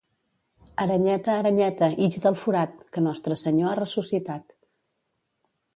Aranyeta, aranyeta, ix del forat, que Nostre Senyor ha ressuscitat.